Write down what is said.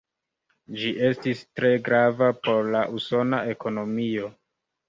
Ĝi estis tre grava por la usona ekonomio.